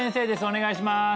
お願いします